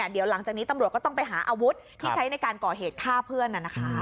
เดี๋ยวหลังจากนี้ตำรวจก็ต้องไปหาอาวุธที่ใช้ในการก่อเหตุฆ่าเพื่อน